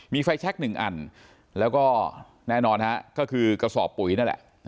มีไฟแช็ค๑อันแล้วก็แน่นอนก็คือกระสอบปุ๋ยนั่นแหละ